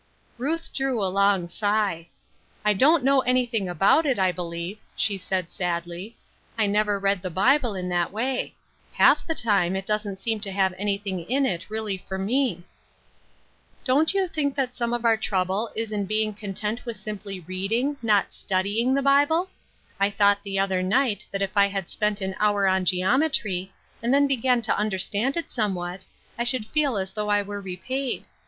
Ruth drew a long sigh. " I don't know any thing about it, I believe," she said, sadly ;" I never read the Bible in that way. Half the time it doesn't seem to have anything in it really for me." " Don't you think that some of our trouble ia Finding One^s Calling, 129 in being content with simply reading, not study ing the Bible ? I thought the other night that if I had spent an hour on geometr}'^, and then begun to understand it somewhat, I should feel as though I were repaid.